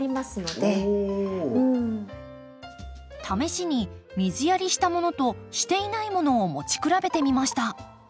試しに水やりしたものとしていないものを持ち比べてみました。